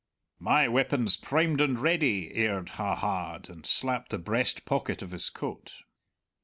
"My weapon's primed and ready," Aird ha haed, and slapped the breast pocket of his coat.